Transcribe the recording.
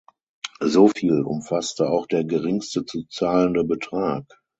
So viel umfasste auch der geringste zu zahlende Betrag.